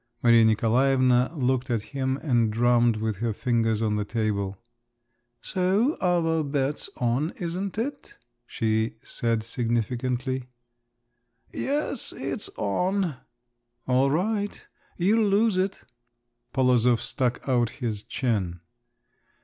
Maria Nikolaevna looked at him and drummed with her fingers on the table. "So our bet's on, isn't it?" she said significantly. "Yes, it's on." "All right. You'll lose it." Polozov stuck out his chin.